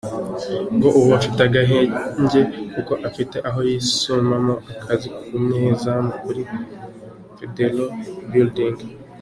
Ngo ubu afite agahenge kuko afite aho yisumamo akazi k’ubunyezamu kuri Federal Building.